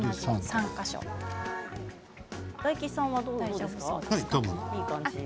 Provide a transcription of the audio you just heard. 大吉さんは、どうですか。